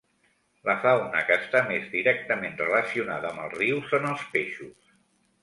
La fauna que està més directament relacionada amb el riu són els peixos.